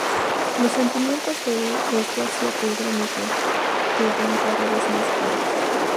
Los sentimientos de este hacia Pedro Miguel quedan cada vez más claros.